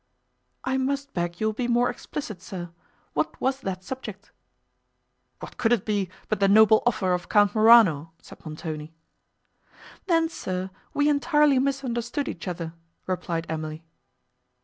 "I must beg you will be more explicit, sir; what was that subject?" "What could it be, but the noble offer of Count Morano," said Montoni. "Then, sir, we entirely misunderstood each other," replied Emily.